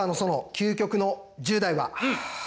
究極の１０代は。